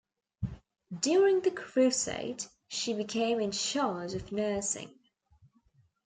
During the Crusade, she became in charge of nursing.